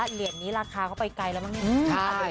เหรียญนี้ราคาเขาไปไกลแล้วมั้งเนี่ย